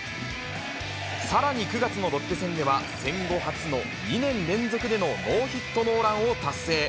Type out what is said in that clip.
さらに９月のロッテ戦では、戦後初の２年連続でのノーヒットノーランを達成。